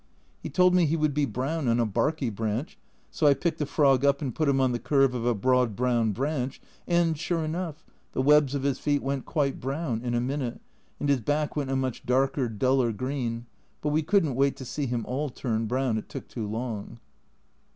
He told me he would be brown on a barky branch, so I picked the frog up and put him on the curve of a broad brown branch, and, sure enough, the webs of his feet went quite brown in a minute, and his back went a much darker, duller green, but we couldn't wait to see him all turn brown, it took too long.